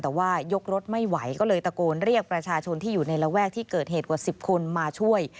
แต่ว่ายกรถไม่ไหวก็เลยตะโกนเรียกประชาชนที่อยู่ในระแวกที่เกิดเหตุกว่า๑๐คนมาช่วย